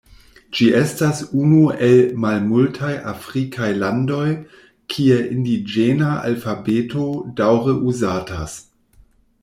Ĝi estas unu el malmultaj afrikaj landoj, kie indiĝena alfabeto daŭre uzatas.